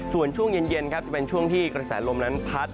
ส่วนช่วงเย็นครับจะเป็นช่วงที่กระแสลมนั้นพัด